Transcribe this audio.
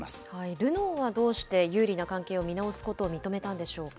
ルノーはどうして有利な関係を見直すことを認めたんでしょう